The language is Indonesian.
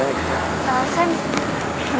eh apa kabar sam